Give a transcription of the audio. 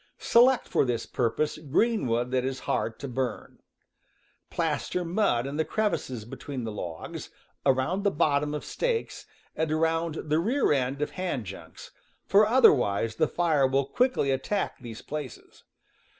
Select for this purpose green wood that is hard to burn. Plaster mud in the crevices between the logs, around the bottom of stakes, and around the rear end of hand junks, for otherwise the fire will quickly attack these places.